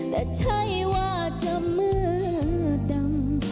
แต่ใช่ว่าจะเมื่อดำ